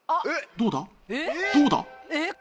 どうだ？